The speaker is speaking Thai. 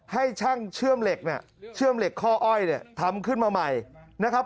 ให้ช่างเชื่อมเหล็กเนี่ยเชื่อมเหล็กข้ออ้อยเนี่ยทำขึ้นมาใหม่นะครับ